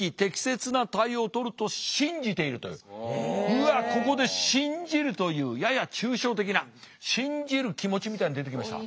うわっここで信じるというやや抽象的な信じる気持ちみたいの出てきました。